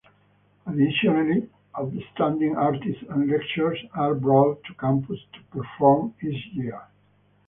Additionally, outstanding artists and lecturers are brought to campus to perform each year.